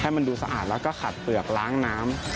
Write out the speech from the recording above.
มันดูสะอาดแล้วก็ขัดเปลือกล้างน้ำ